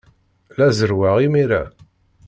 La zerrweɣ imir-a.